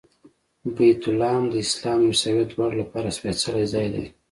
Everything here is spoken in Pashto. بیت لحم د اسلام او عیسویت دواړو لپاره سپېڅلی ځای دی.